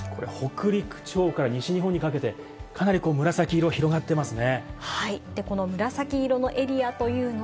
これは北陸地方から西日本にかけてかなり紫色、広がってますね。